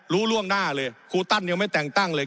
ล่วงหน้าเลยครูตั้นยังไม่แต่งตั้งเลย